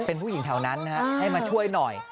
เป็นผู้หญิงแถวนั้นให้มาช่วยหน่อย